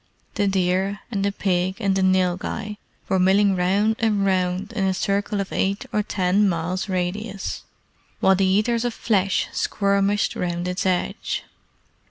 The deer and the pig and the nilghai were milling round and round in a circle of eight or ten miles radius, while the Eaters of Flesh skirmished round its edge.